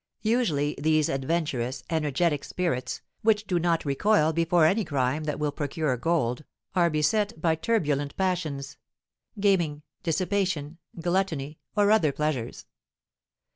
Usually these adventurous, energetic spirits, which do not recoil before any crime that will procure gold, are beset by turbulent passions gaming, dissipation, gluttony, or other pleasures.